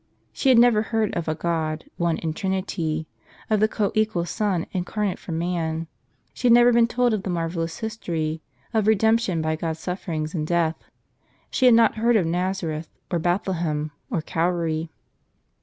She had never heard of a God, One in Trinity; of the co equal Son incarnate for man. She had never been told of the marvel lous history, of Kedemption by God's sufferings and death. She had not heard of Nazareth, or Bethlehem, or Calvary.